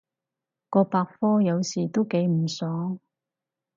個百科有時都幾唔爽